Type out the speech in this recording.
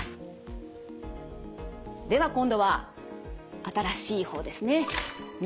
では今度は新しい方ですね。